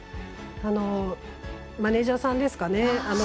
マネージャーさんですかね。